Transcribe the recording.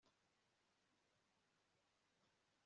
Ntabwo nizera ko ibyo byagenze neza